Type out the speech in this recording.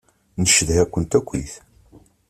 Ncedha-kent akkit.